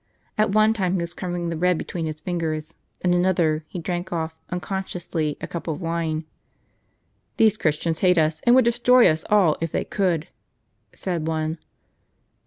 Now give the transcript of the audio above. At one time he was crumbling the bread between his fingers; at another, he drank off, unconsciously, a cup of wine. " These Christians hate us, and would destroy us all if they could," said one.